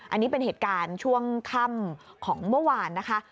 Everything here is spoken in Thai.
อันนี้เป็นเหตุการณ์ช่วงค่ำของเมื่อวานนะคะ